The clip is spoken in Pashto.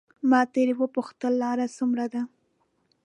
ما ترې وپوښتل لار څومره ده.